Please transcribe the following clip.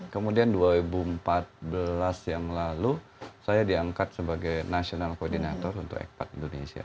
kemudian dua ribu empat belas yang lalu saya diangkat sebagai national koordinator untuk ekpat indonesia